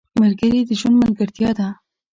ملګري د ژوند ملګرتیا ده.